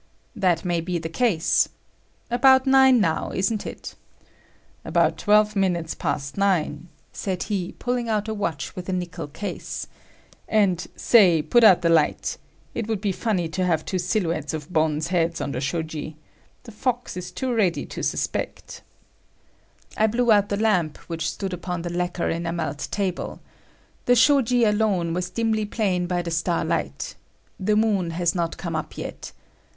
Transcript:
"That may be the case. About nine now, isn't it?" "About twelve minutes past nine," said he, pulling out a watch with a nickel case, "and, say put out the light. It would be funny to have two silhouettes of bonze heads on the shoji. The fox is too ready to suspect." I blew out the lamp which stood upon the lacquer enameled table. The shoji alone was dimly plain by the star light. The moon has not come up yet.